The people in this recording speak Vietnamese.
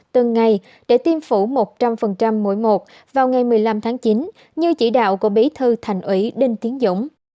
từng ngày để tiêm phủ một trăm linh mỗi một vào ngày một mươi năm tháng chín như chỉ đạo của bí thư thành ủy đinh tiến dũng